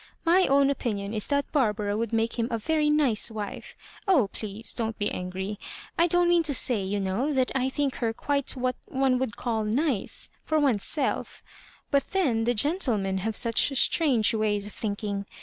My own opi nion is that Barbara would make him a very nice wife. Oh, please, don't be angry ! T don't, mean to say, you know, that I think her quite what one would call nice — for one's self But then the gentlemen have such strange ways of thinking.